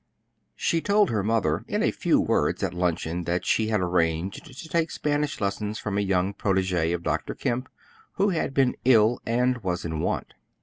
She told her mother in a few words at luncheon that she had arranged to take Spanish lessons from a young protege of Dr. Kemp, who had been ill and was in want.